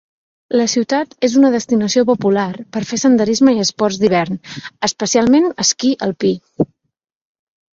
La ciutat és una destinació popular per fer senderisme i esports d'hivern, especialment esquí alpí.